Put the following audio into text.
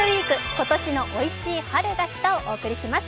今年もおいしい春が来たをお伝えします。